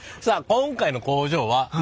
今回の工場は何？